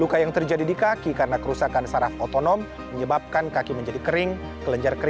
luka yang terjadi di kaki karena kerusakan saraf otonom menyebabkan kaki menjadi kering kelenjar kering